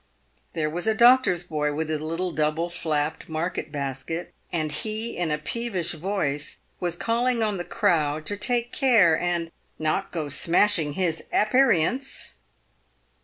There was a doctor's boy, with his little double flapped market basket, and he in a peevish voice was calling on the crowd to take care and " not go smashing his aperients."